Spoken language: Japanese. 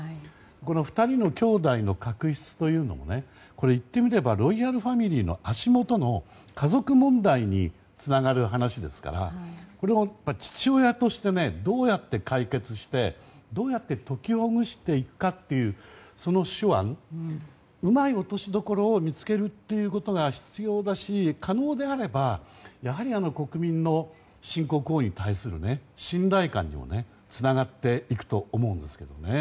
この２人の兄弟の確執というのは言ってみればロイヤルファミリーの足元の家族問題につながる話ですからこれはやっぱり父親としてどうやって解決してどうやって解きほぐしていくかというその手腕、うまい落としどころを見つけることが必要だし、可能であればやはり国民の新国王に対する信頼感にもつながっていくと思うんですよね。